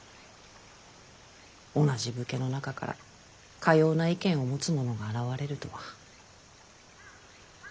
同じ武家の中からかような意見を持つ者が現れるとは。